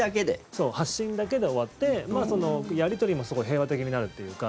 そう、発信だけで終わってやり取りもすごい平和的になるっていうか。